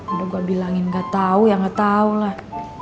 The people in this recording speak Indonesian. udah gue bilangin gak tau ya gak tau lah